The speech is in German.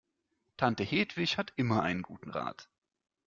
Tante Hedwig hat immer einen guten Rat.